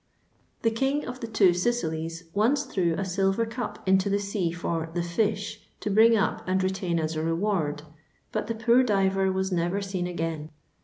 The King of the Two Sicilies once threw a silver cap into the sea for " the Fish " to bring up and retain as a reward, but the poor diver was never seen again.